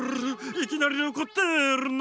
いきなりおこってるの！